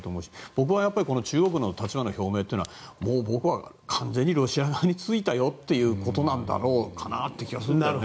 僕は中国の立場の表明はもう、僕は完全にロシア側についたよということなんだろうという気がするんだよね。